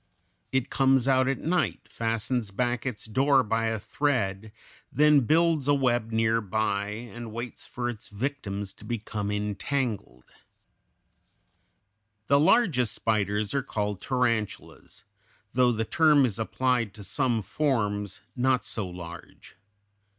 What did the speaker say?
It comes out at night, fastens back its door by a thread, then builds a web near by and waits for its victims to become entangled. [Illustration: FIG. 179. A chimney building spider.] The largest spiders are called tarantulas, though the term is applied to some forms not so large.